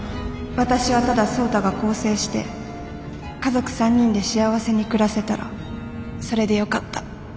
「私はただ創太が更生して家族３人で幸せに暮らせたらそれでよかった。